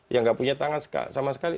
yang nggak punya tangan sama sekali